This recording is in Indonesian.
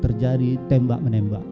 terjadi tembak menembak